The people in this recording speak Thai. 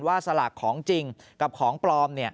สลากของจริงกับของปลอม